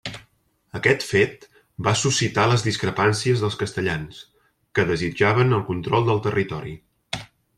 Aquest fet va suscitar les discrepàncies dels castellans, que desitjaven el control del territori.